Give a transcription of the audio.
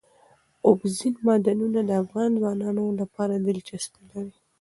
اوبزین معدنونه د افغان ځوانانو لپاره دلچسپي لري.